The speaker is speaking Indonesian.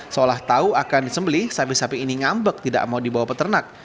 seolah tahu akan disembelih sapi sapi ini ngambek tidak mau dibawa peternak